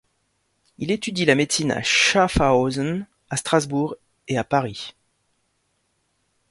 Il étudie la médecine à Schaffhausen, à Strasbourg et à Paris.